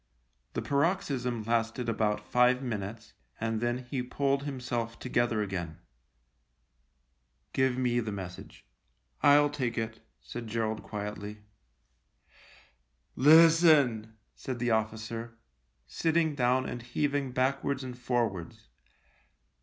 The paroxysm lasted about five minutes, and then he pulled himself together again. " Give me the message. I'll take it," said Gerald quietly. " Listen," said the officer, sitting down and heaving backwards and forwards.